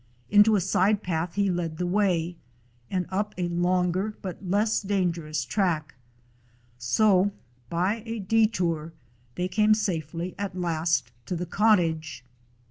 Into a side path he led the way, and up a longer but less danger ous track. So by a detour they came safely at last to the cottage.